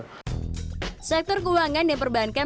sektor keuangan yang perbankan menyebabkan perusahaan ini berubah